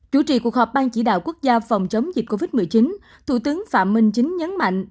chủ trì cuộc họp ban chỉ đạo quốc gia phòng chống dịch covid một mươi chín thủ tướng phạm minh chính nhấn mạnh